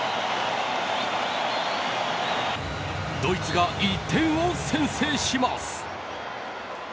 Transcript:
ドイツが１点を先制します。